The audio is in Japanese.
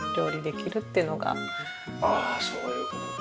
ああそういう事か。